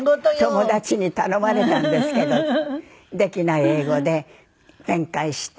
「友達に頼まれたんですけど」ってできない英語で弁解して。